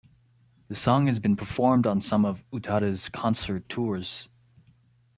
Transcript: The song has been performed on some of Utada's concert tours.